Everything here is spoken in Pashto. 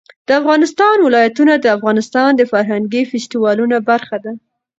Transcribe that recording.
د افغانستان ولايتونه د افغانستان د فرهنګي فستیوالونو برخه ده.